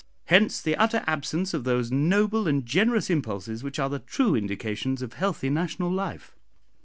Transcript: Hence the utter absence of those noble and generous impulses which are the true indications of healthy national life.